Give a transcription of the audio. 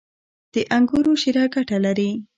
• د انګورو شیره ګټه لري.